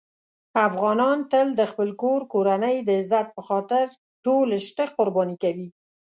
افغانان تل د خپل کور کورنۍ د عزت په خاطر ټول شته قرباني کوي.